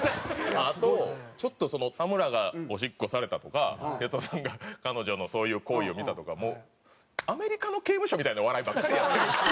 あとちょっと田村がおしっこされたとか哲夫さんが彼女のそういう行為を見たとかもうアメリカの刑務所みたいなお笑いばっかりやってるんです。